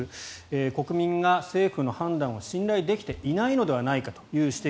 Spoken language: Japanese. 国民が政府の判断を信頼できていないのではないかという指摘。